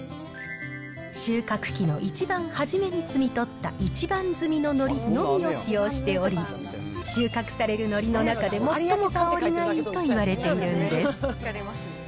収穫期の一番初めに摘み取った一番摘みののりのみを使用しており、収穫されるのりの中で最も香りがいいといわれているんです。